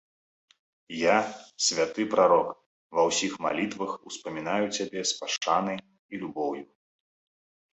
Я, святы прарок, ва ўсіх малітвах успамінаю цябе з пашанай і любоўю.